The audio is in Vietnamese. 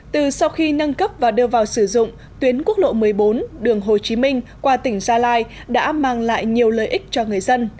từ sau khi nâng cấp và đưa vào sử dụng tuyến quốc lộ một mươi bốn đường hồ chí minh qua tỉnh gia lai đã mang lại nhiều lợi ích cho người dân